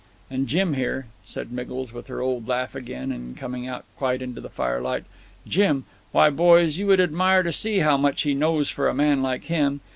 And Jim here," said Miggles, with her old laugh again, and coming out quite into the firelight, "Jim why, boys, you would admire to see how much he knows for a man like him.